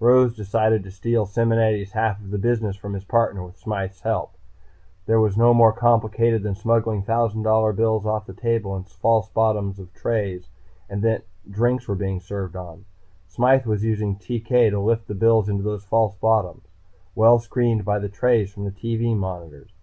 Rose decided to steal Simonetti's half of the business from his partner with Smythe's help. It was no more complicated than smuggling thousand dollar bills off the table in false bottoms of trays that drinks were being served on. Smythe was using TK to lift the bills into those false bottoms, well screened by the trays from the TV monitors.